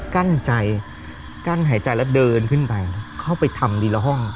กั้นใจกั้นหายใจแล้วเดินขึ้นไปเข้าไปทำทีละห้อง